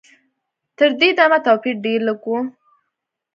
تر دې دمه توپیر ډېر لږ و.